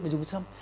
để dùng sâm